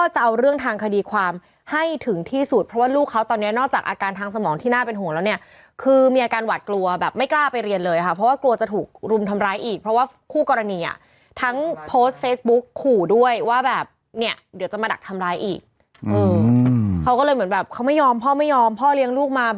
จะเอาเรื่องทางคดีความให้ถึงที่สุดเพราะว่าลูกเขาตอนนี้นอกจากอาการทางสมองที่น่าเป็นห่วงแล้วเนี่ยคือมีอาการหวัดกลัวแบบไม่กล้าไปเรียนเลยค่ะเพราะว่ากลัวจะถูกรุมทำร้ายอีกเพราะว่าคู่กรณีอ่ะทั้งโพสต์เฟซบุ๊กขู่ด้วยว่าแบบเนี่ยเดี๋ยวจะมาดักทำร้ายอีกเขาก็เลยเหมือนแบบเขาไม่ยอมพ่อไม่ยอมพ่อเลี้ยงลูกมา